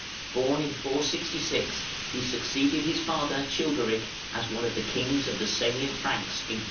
Born in 466, he succeeded his father, Childeric, as one of the kings of the Salian Franks in 481.